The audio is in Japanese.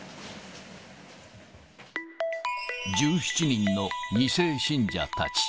１７人の２世信者たち。